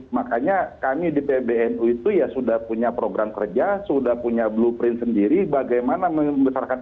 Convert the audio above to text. makanya kami di pbnu itu ya sudah punya program kerja sudah punya blueprint sendiri bagaimana membesarkan